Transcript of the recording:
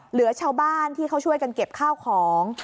เหลือชาวบ้านที่เขาช่วยกันเก็บข้าวของ